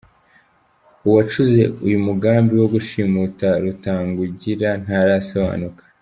Uwacuze uyu mugambi wo gushimuta Rutagungira ntarasobanuka